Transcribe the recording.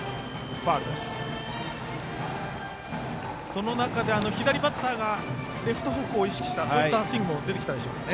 その中で左バッターがレフト方向を意識したそういったスイングも出てきましたかね。